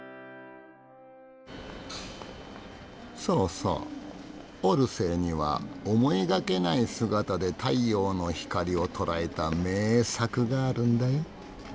そうそうオルセーには思いがけない姿で太陽の光を捉えた名作があるんだよ。